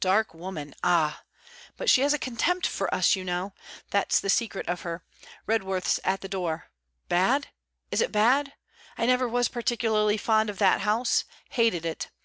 Dark women ah! But she has a contempt for us, you know. That's the secret of her. Redworth 's at the door. Bad? Is it bad? I never was particularly fond of that house hated it.